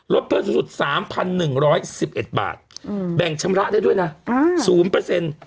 เพิ่มสูงสุด๓๑๑๑๑บาทแบ่งชำระได้ด้วยนะ๐เปอร์เซ็นต์